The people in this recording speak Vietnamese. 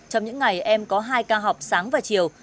trong những ngày em có hai ca học sáng và chiều